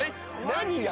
何が？